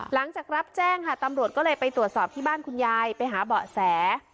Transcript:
หลังจากรับแจ้งค่ะตำรวจก็เลยไปตรวจสอบที่บ้านคุณยายไปหาเบาะแส